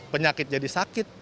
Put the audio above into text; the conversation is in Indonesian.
penyakit jadi sakit